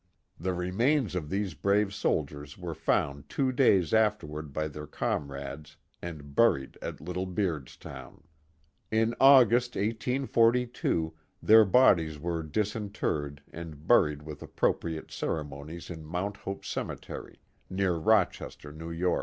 The remains of these brave soldiers were found two days after ward by their comrades and buried at Little Beardstown. In August, 1842, their bodies were disinterred and buried with appropriate ceremonies in Mount Hope Cemetery, near Rochester, N. Y.